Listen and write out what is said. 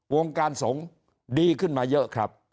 วงการสงฆ์ดีขึ้นมาเยอะครับ